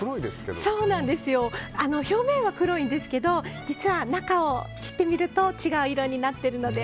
表面は黒いんですけども実は中を切ってみると違う色になっているので。